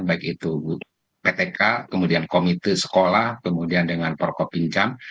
yaitu ptk komite sekolah dengan prokop pinjam